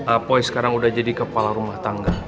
apoy sekarang udah jadi kepala rumah tangga